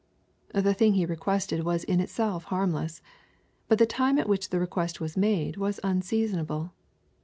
— The thing he requested was in itself harmless. But the time at which the request was made was unseasonable.